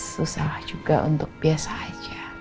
susah juga untuk biasa aja